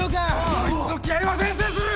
あいつの気合は伝染する！